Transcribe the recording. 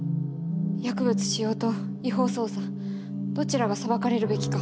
薬物使用と違法捜査どちらが裁かれるべきか。